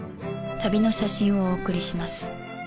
旅の写真をお送りします。